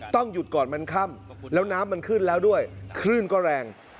ต้องหยุดก่อนมันค่ำแล้วน้ำมันขึ้นแล้วด้วยคลื่นก็แรง